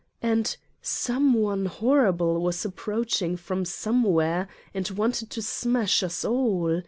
And, Someone horrible was approaching from Some where and wanted to smash us all.